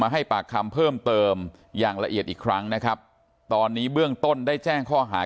ให้ปากคำเพิ่มเติมอย่างละเอียดอีกครั้งนะครับตอนนี้เบื้องต้นได้แจ้งข้อหา